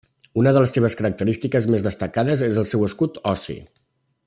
Una de les seves característiques més destacades és el seu escut ossi.